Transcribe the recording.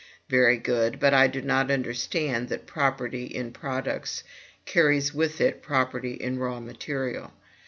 Very good; but I do not understand that property in products carries with it property in raw material.